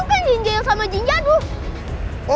om jin itu kan jinja yang sama jinja dulu